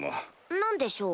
何でしょう？